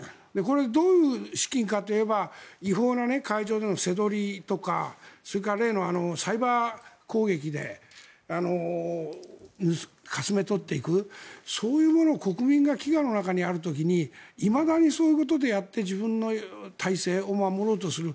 どういう資金かといえば違法な海上での瀬取りとかそれから例のサイバー攻撃でかすめ取っていくそういうものを国民が飢餓の中にある時にいまだにそういうことでやって自分の体制を守ろうとする。